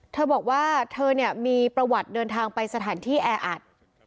เธอบอกว่าเธอเนี่ยมีประวัติเดินทางไปสถานที่แออัด